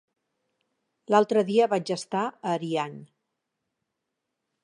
L'altre dia vaig estar a Ariany.